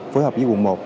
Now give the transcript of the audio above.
phối hợp với quận một